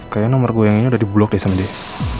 kayaknya nomor gue yang ini udah di block deh sama dia